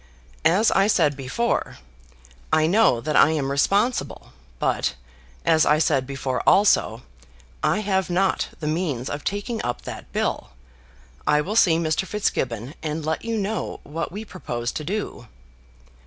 "As I said before, I know that I am responsible; but, as I said before also, I have not the means of taking up that bill. I will see Mr. Fitzgibbon, and let you know what we propose to do."